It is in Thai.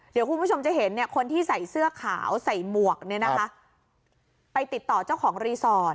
เดี๋ยวคุณผู้ชมจะเห็นคนที่ใส่เสื้อขาวใส่หมวกเนี่ยนะคะไปติดต่อเจ้าของรีสอร์ท